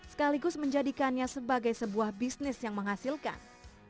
sekaligus menjadikannya sebagai sebuah bisnis yang menghasilkan